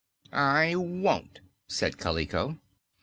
"I won't," said Kaliko.